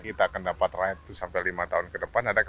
kita akan dapat ratus sampai lima tahun ke depan